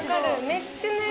めっちゃね